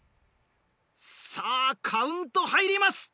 さぁカウント入ります！